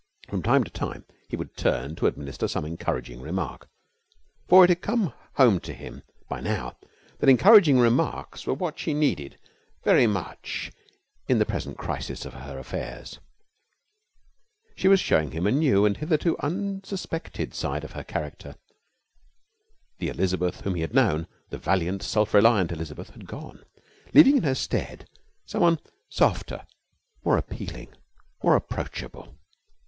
From time to time he would turn to administer some encouraging remark, for it had come home to him by now that encouraging remarks were what she needed very much in the present crisis of her affairs. She was showing him a new and hitherto unsuspected side of her character. The Elizabeth whom he had known the valiant, self reliant Elizabeth had gone, leaving in her stead someone softer, more appealing, more approachable.